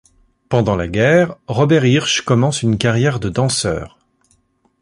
Pendant la guerre, Robert Hirsch commence une carrière de danseur.